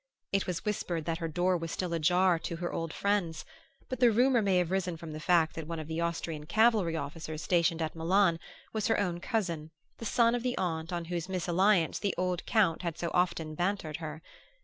It was whispered that her door was still ajar to her old friends; but the rumor may have risen from the fact that one of the Austrian cavalry officers stationed at Milan was her own cousin, the son of the aunt on whose misalliance the old Count had so often bantered her.